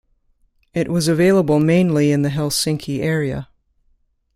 It was available mainly in the Helsinki area.